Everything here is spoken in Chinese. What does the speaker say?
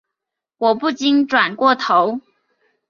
我不禁转过头